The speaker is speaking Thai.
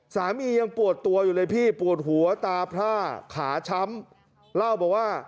สามียังปวดตัวอยู่เลยพี่ปวดหัวตาผ้าขาช้ำ